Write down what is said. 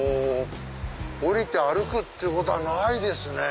降りて歩くっていうことはないですね。